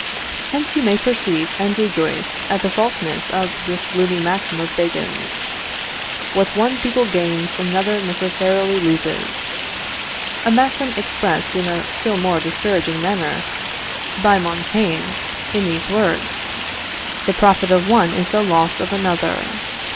Hence you may perceive and rejoice at the falseness of this gloomy maxim of Bacon's, "What one people gains, another necessarily loses:" a maxim expressed in a still more discouraging manner by Montaigne, in these words: "_The profit of one is the loss of another.